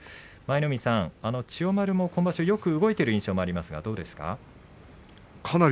舞の海さん、千代丸も今場所よく動いている印象がありますが、どうですか。